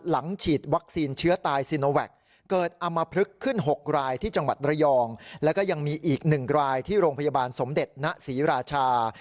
แล้วก็ยังมีอีกหนึ่งรายที่โรงพยาบาลสมเด็จณศรีราชา